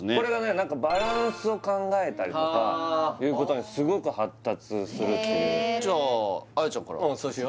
何かバランスを考えたりとかいうことにすごく発達するっていうへえうんそうしよう